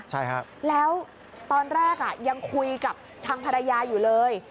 ใช่ครับแล้วตอนแรกอ่ะยังคุยกับทางภรรยาอยู่เลย